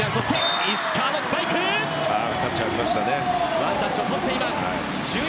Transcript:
ワンタッチとっています。